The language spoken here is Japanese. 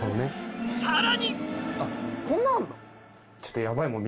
さらに！